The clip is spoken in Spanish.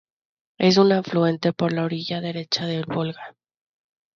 Es una afluente por la orilla derecha del Volga.